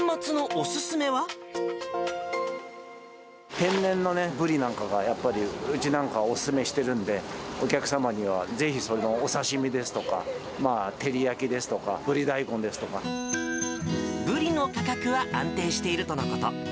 天然のブリなんかが、やっぱりうちなんか、お勧めしてるんで、お客様にはぜひその刺身ですとか、照り焼きですとか、ブリ大根ですブリの価格は安定しているとのこと。